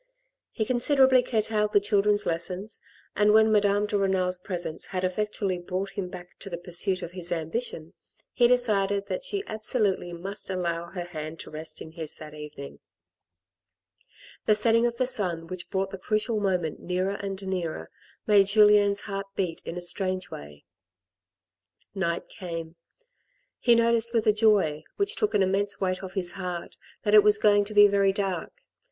He considerably curtailed the children's lessons, and when Madame de Renal's presence had effectually brought him back to the pursuit of his ambition, he decided that she absolutely must allow her hand to rest in his that evening. The setting of the sun which brought the crucial moment nearer and nearer made Julien's heart beat in a strange way. Night came. He noticed with a joy, which took an immense weight off his heart, that it was going to be very dark.